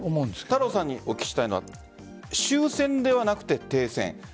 太郎さんにお聞きしたいのは終戦ではなくて停戦。